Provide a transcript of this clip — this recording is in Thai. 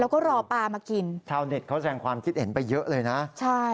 แล้วก็รอปลามากินชาวเน็ตเขาแสงความคิดเห็นไปเยอะเลยนะใช่